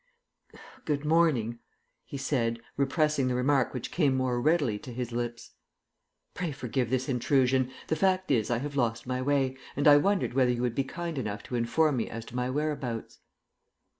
"Good morning," he said, repressing the remark which came more readily to his lips. "Pray forgive this intrusion. The fact is I have lost my way, and I wondered whether you would be kind enough to inform me as to my whereabouts."